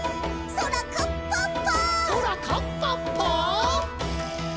「そらカッパッパ」「」